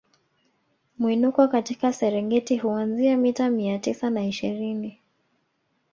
Mwinuko katika Serengeti huanzia mita mia tisa na ishirini